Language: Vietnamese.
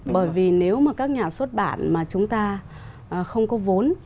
bởi vì nếu mà các nhà xuất bản mà chúng ta không có vốn